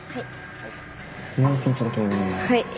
はい。